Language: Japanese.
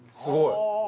すごい。